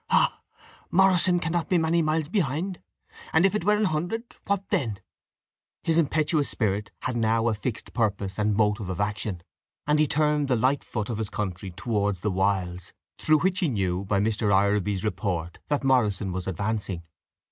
"Ha! Morrison cannot be many miles behind; and if it were an hundred, what then?" His impetuous spirit had now a fixed purpose and motive of action, and he turned the light foot of his country towards the wilds, through which he knew, by Mr. Ireby's report, that Morrison was advancing.